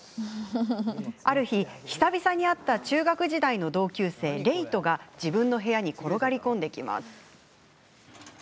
ある日、久々に会った中学時代の同級生、怜人が自分の部屋に転がり込んできます。